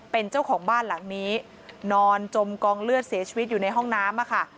เป็นเจ้าของบ้านหลังนี้นอนจมกองเลือดเสียชีวิตอยู่ในห้องน้ำค่ะ